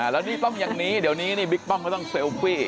แล้วนี่ต้องอย่างนี้เดี๋ยวนี้นี่บิ๊กป้อมก็ต้องเซลฟี่